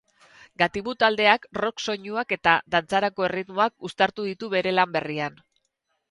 Gatibu taldeak rock soinuak eta dantzarako erritmoak uztartu ditu bere lan berrian.